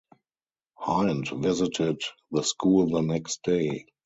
Hind visited the school the next day.